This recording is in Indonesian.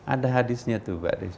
ada hadisnya tuh mbak desy